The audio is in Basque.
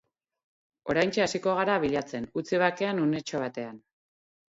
Oraintxe hasiko gara bilatzen, utzi bakean unetxo batean.